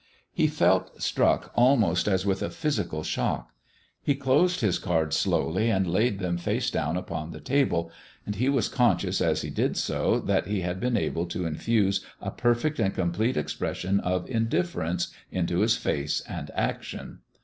He felt struck almost as with a physical shock. He closed his cards slowly and laid them face down upon the table, and he was conscious as he did so that he had been able to infuse a perfect and complete expression of indifference into his face and action.